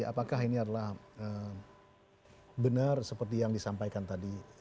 apakah ini adalah benar seperti yang disampaikan tadi